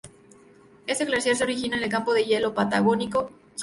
Este glaciar se origina en el campo de hielo Patagónico Sur.